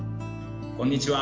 こんにちは。